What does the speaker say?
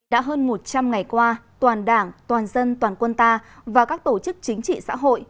đã hơn một trăm linh ngày qua toàn đảng toàn dân toàn quân ta và các tổ chức chính trị xã hội